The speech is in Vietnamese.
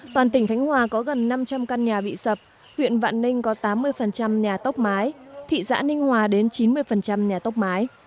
toàn tỉnh khánh hòa có gần năm trăm linh căn nhà bị sập huyện vạn ninh có tám mươi nhà tốc mái thị xã ninh hòa đến chín mươi nhà tốc mái